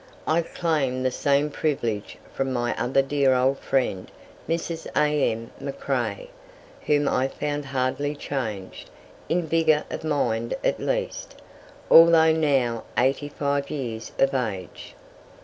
I claimed the same privilege from my other dear old friend, Mrs. A.M. McCrae, whom I found hardly changed, in vigour of mind at least, although now eighty five years of age.